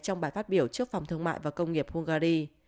trong bài phát biểu trước phòng thương mại và công nghiệp hungary